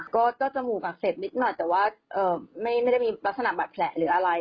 ก็จมูกอักเสบนิดหน่อยแต่ว่าไม่ได้มีลักษณะบาดแผลหรืออะไร